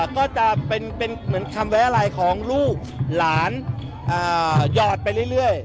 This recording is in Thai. ก็จะเป็นคำแวร์ลายของลูกหลานหยอดไปเรื่อย